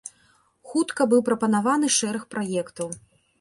Хутка быў прапанаваны шэраг праектаў.